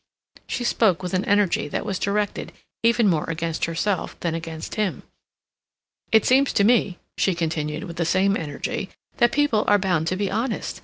She spoke with an energy that was directed even more against herself than against him. "It seems to me," she continued, with the same energy, "that people are bound to be honest.